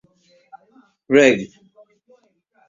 Reg.